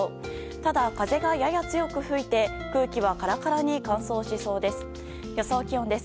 ただ、風がやや強く吹いて空気はカラカラに乾燥しそうです。